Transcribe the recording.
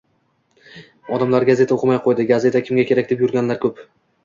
“Odamlar gazeta oʻqimay qoʻydi”, “Gazeta kimga kerak” deb yurganlar koʻp.